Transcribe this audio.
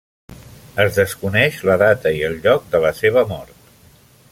Es desconeix la data i el lloc de la seva mort.